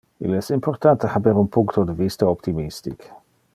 Il es importante haber un puncto de vista optimistic.